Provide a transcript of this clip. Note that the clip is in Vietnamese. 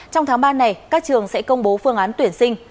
trong tháng ba này các trường sẽ công bố phương án tuyển sinh